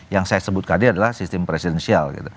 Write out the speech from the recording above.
yang saya sebut tadi adalah sistem presidensial